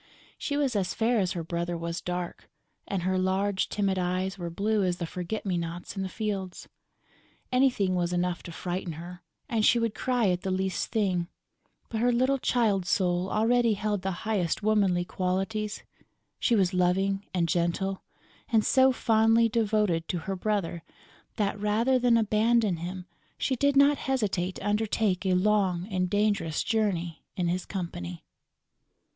She was as fair as her brother was dark; and her large timid eyes were blue as the forget me nots in the fields. Anything was enough to frighten her and she would cry at the least thing; but her little child soul already held the highest womanly qualities: she was loving and gentle and so fondly devoted to her brother that, rather than abandon him, she did not hesitate to undertake a long and dangerous journey in his company.